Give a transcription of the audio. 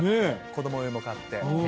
子供用も買って。